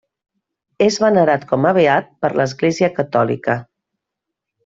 És venerat com a beat per l'Església catòlica.